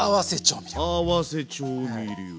合わせ調味料。